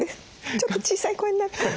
ちょっと小さい声になってる。